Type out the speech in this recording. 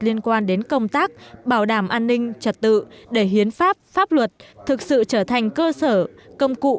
liên quan đến công tác bảo đảm an ninh trật tự để hiến pháp pháp luật thực sự trở thành cơ sở công cụ